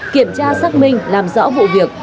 kiểm tra xác minh làm rõ vụ việc